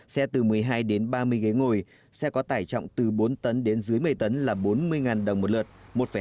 xe từ một mươi hai đến ba mươi ghế ngồi xe có tải trọng từ bốn tấn đến dưới một mươi tấn là bốn mươi đồng một lượt